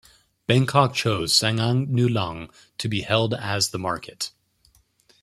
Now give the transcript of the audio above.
Bangkok chose Sanam Luang to be held as the market.